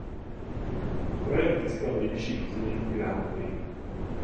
Projekt získal nejvyšší ocenění "grand prix".